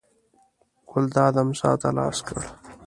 ګلداد امسا ته لاس کړ.